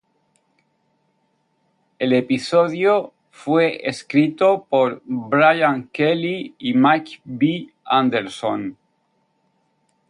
El episodio fue escrito por Brian Kelley y Mike B. Anderson.